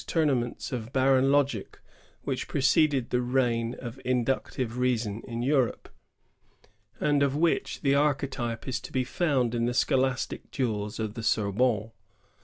tournaments of barren logic which preceded the reign of inductive reason in Europe, and of which the archetype is to be found in the scholastic duels of the Sorbonne.